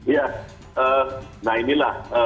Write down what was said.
ya nah inilah